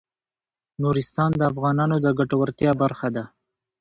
نورستان د افغانانو د ګټورتیا برخه ده.